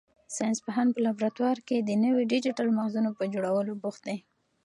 ساینس پوهان په لابراتوار کې د نویو ډیجیټل مغزونو په جوړولو بوخت دي.